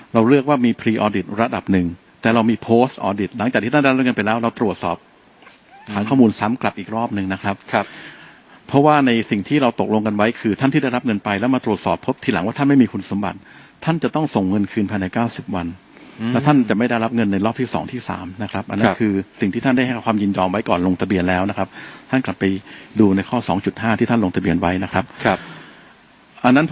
เราตรวจสอบทางข้อมูลซ้ำกลับอีกรอบหนึ่งนะครับครับเพราะว่าในสิ่งที่เราตกลงกันไว้คือท่านที่ได้รับเงินไปแล้วมาตรวจสอบพบทีหลังว่าท่านไม่มีคุณสมบัติท่านจะต้องส่งเงินคืนภายใน๙๐วันแล้วท่านจะไม่ได้รับเงินในรอบที่สองที่สามนะครับอันนั้นคือสิ่งที่ท่านได้ให้ความยืนยอมไว้ก่อน